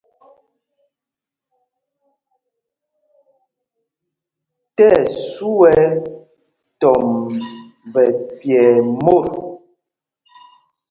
Tí ɛsu ɛ tɔmb nɛ pyɛɛ mot.